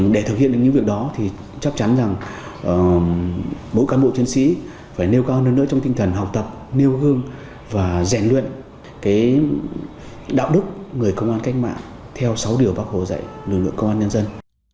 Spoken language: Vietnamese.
để thực hiện được những việc đó thì chắc chắn rằng mỗi cán bộ chiến sĩ phải nêu cao nơi trong tinh thần học tập nêu gương và rèn luyện đạo đức người công an cách mạng theo sáu điều bác hồ dạy lực lượng công an nhân dân